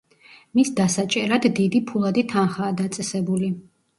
მის დასაჭერად დიდი ფულადი თანხაა დაწესებული.